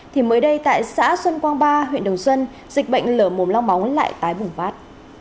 thì mới đây tại xã xuân quang ba huyện đồng xuân dịch bệnh lở mồm long móng lại tái bùng phát